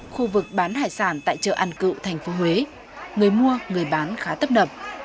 khu vực bán hải sản tại chợ ăn cựu thành phố huế người mua người bán khá tấp đập